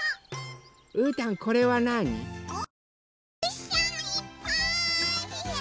うーたんこれはなに？